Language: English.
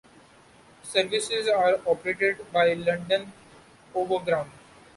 Services are operated by London Overground.